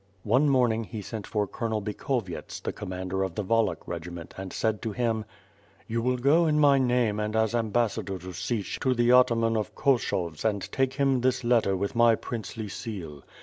One morning he sent for Colonel Bikhovyets, the com mander of the Wallach regiment, and said to him: "You will go in my name as ambassador to Sich to the Attaman of Koshovs and take him this letter with my princely seal.